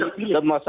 di tanung liga itu